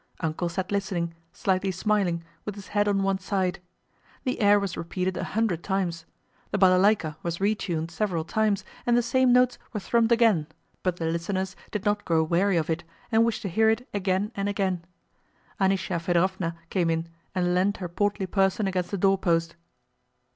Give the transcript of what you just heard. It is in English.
"Uncle" sat listening, slightly smiling, with his head on one side. The air was repeated a hundred times. The balaláyka was retuned several times and the same notes were thrummed again, but the listeners did not grow weary of it and wished to hear it again and again. Anísya Fëdorovna came in and leaned her portly person against the doorpost.